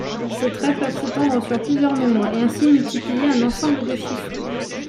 Ces traits peuvent s'étendre sur plusieurs nombres et ainsi multiplier un ensemble de chiffres.